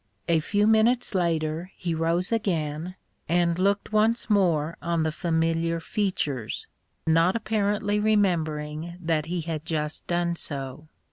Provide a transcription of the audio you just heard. A few minutes later he rose again, and looked once more on the familiar features, not apparently remembering that he had just done so.